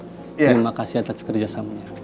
terima kasih atas kerjasamanya